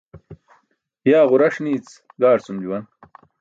Yaa ġuraṣ niic gaarcum juwan